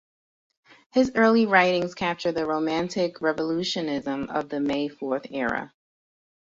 His early writings capture the romantic revolutionism of the May Fourth era.